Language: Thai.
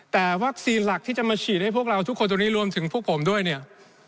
แต่วัคซีนหลักที่จะมาฉีดให้พวกเราทุกคนตรงนี้รวมถึงพวกผมด้วยเนี่ย